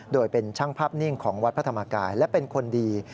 โดยเป็นช่างภาพนิ่งของวัดพระธรรมกายและเป็นคนดี